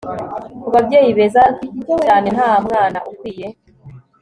kubabyeyi beza cyane nta mwana ukwiye